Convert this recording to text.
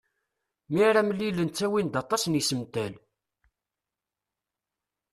Mi ara mlilen ttawin-d aṭas n yisental.